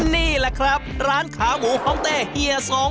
นี่แหละครับร้านขาหมูห้องเต้เฮียสง